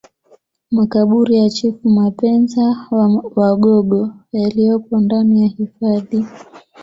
Makaburi ya Chifu Mapenza wa wagogo yaliyopo ndani ya hifadhi